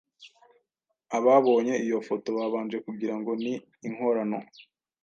ababonye iyi foto babanje kugira ngo ni inkorano